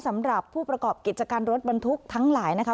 สำหรับผู้ประกอบกิจการรถบรรทุกทั้งหลายนะคะ